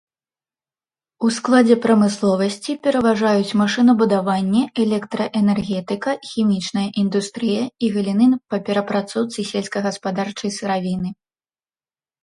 У складзе прамысловасці пераважаюць машынабудаванне, электраэнергетыка, хімічная індустрыя і галіны па перапрацоўцы сельскагаспадарчай сыравіны.